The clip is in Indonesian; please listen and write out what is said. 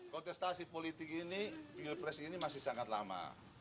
kontestasi politik ini pilpres ini masih sangat lama